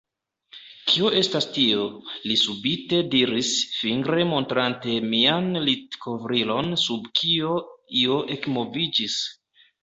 Kio estas tio? li subite diris, fingre montrante mian litkovrilon sub kio io ekmoviĝis.